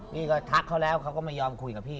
พี่ก็ทักเขาแล้วเขาก็ไม่ยอมคุยกับพี่